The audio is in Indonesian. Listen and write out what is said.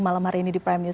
malam hari ini di prime news